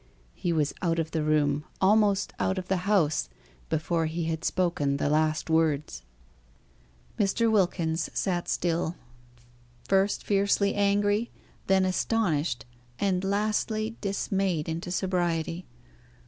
He was out of the room, almost out of the house, before he had spoken the last words. Mr. Wilkins sat still, first fiercely angry, then astonished, and lastly dismayed into sobriety.